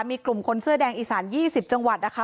มีกลุ่มคนเสื้อแดงอีสาน๒๐จังหวัดนะคะ